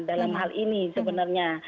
dalam hal ini sebenarnya